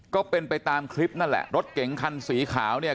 ก็เป็นไปตามคลิปนั่นแหละรถเก๋งคันสีขาวเนี่ย